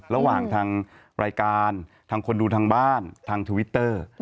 ระหว่างทางรายการทางคนดูทางบ้านทางทวิตเตอร์